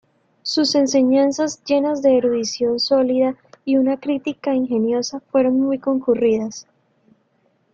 Sus enseñanzas, llenas de erudición sólida y una crítica ingeniosa, fueron muy concurridas.